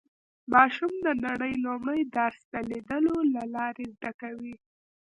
ماشوم د نړۍ لومړی درس د لیدلو له لارې زده کوي